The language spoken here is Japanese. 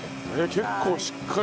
結構しっかり。